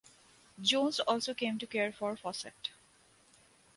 Jones also came to care for Fossett.